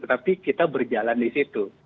tetapi kita berjalan di situ